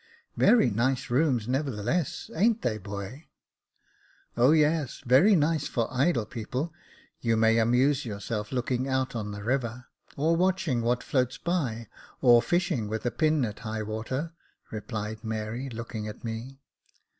Very nice rooms, nevertheless ; ain't they, boy ?"" O yes, very nice for idle people ; you may amuse yourself looking out on the river, or watching what floats by, or fishing with a pin at high water," replied Mary, looking at me.